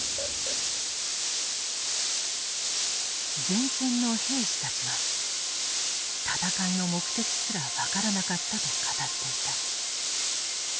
前線の兵士たちは戦いの目的すら分からなかったと語っていた。